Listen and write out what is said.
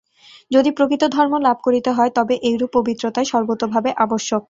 যদি প্রকৃত ধর্মলাভ করিতে হয়, তবে এইরূপ পবিত্রতাই সর্বতোভাবে আবশ্যক।